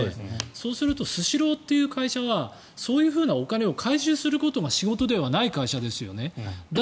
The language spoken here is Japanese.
そうするとスシローという会社はそういうふうなお金を回収することが仕事なわけではない会社ですよね。